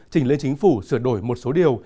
chỉnh lên chính phủ sửa đổi một số điều